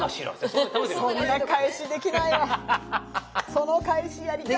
その返しやりたい。